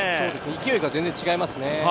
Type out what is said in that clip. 勢いが全然違いますね。